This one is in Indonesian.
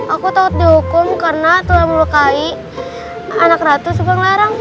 aku takut dihukum karena telah melukai anak ratu subang larang